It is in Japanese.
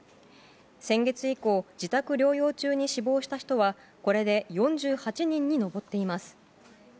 先月以降自宅療養中に死亡した人はこれで４８人に上っています。